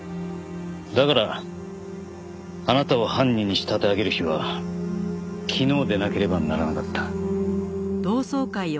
だからあなたを犯人に仕立て上げる日は昨日でなければならなかった。